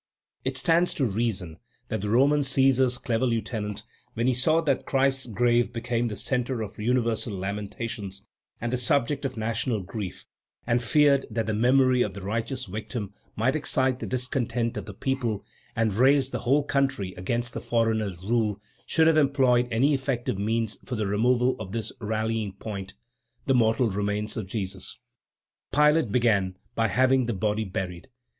It stands to reason that the Roman Cæsar's clever lieutenant, when he saw that Christ's grave became the centre of universal lamentations and the subject of national grief, and feared that the memory of the righteous victim might excite the discontent of the people and raise the whole country against the foreigners' rule, should have employed any effective means for the removal of this rallying point, the mortal remains of Jesus. Pilate began by having the body buried.